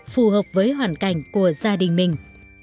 phù hợp với hoàn cảnh của gia đình mình